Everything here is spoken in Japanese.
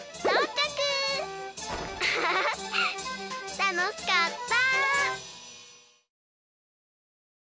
たのしかった！